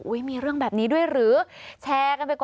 อุ๊ยมีเรื่องแบบนี้ด้วยหรือ